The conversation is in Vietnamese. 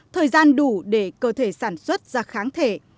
thời gian đủ để cơ thể sản xuất ra kháng thể